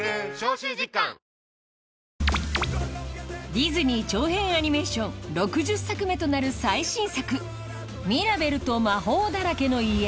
ディズニー長編アニメーション６０作目となる最新作『ミラベルと魔法だらけの家』